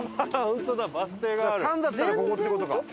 「３」だったらここって事か。